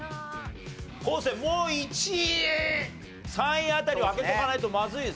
昴生もう１位３位辺りを開けとかないとまずいぞ。